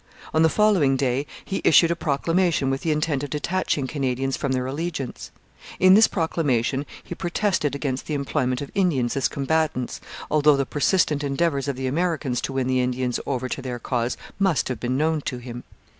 On the following day he issued a proclamation with the intent of detaching Canadians from their allegiance. In this proclamation he protested against the employment of Indians as combatants, although the persistent endeavours of the Americans to win the Indians over to their cause must have been known to him.